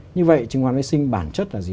như vậy chứng khoán vệ sinh bản chất là gì